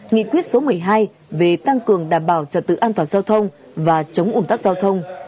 nghị quyết số một mươi hai về tăng cường đảm bảo trật tự an toàn giao thông và chống ủn tắc giao thông